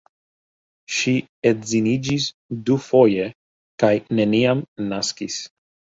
Ŝi edziniĝis dufoje kaj neniam naskis.